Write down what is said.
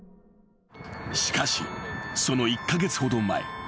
［しかしその１カ月ほど前］